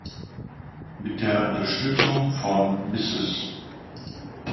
Mit der Unterstützung von Mrs.